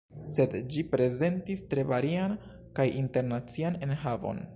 Sed ĝi prezentis tre varian kaj internacian enhavon.